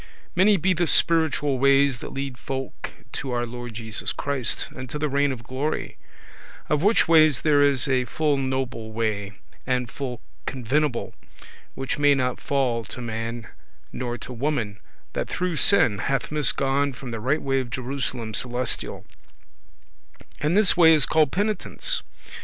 Many be the spiritual ways that lead folk to our Lord Jesus Christ, and to the reign of glory; of which ways there is a full noble way, and full convenable, which may not fail to man nor to woman, that through sin hath misgone from the right way of Jerusalem celestial; and this way is called penitence.